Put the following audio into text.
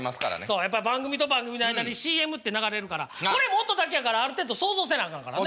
やっぱ番組と番組の間にＣＭって流れるからこれも音だけやからある程度想像せなあかんからね。